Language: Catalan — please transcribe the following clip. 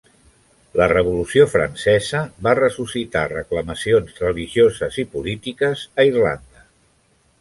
La Revolució Francesa va ressuscitar reclamacions religioses i polítiques a Irlanda.